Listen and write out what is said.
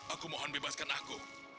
aku mohon bebaskan aku